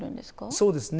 そうですね。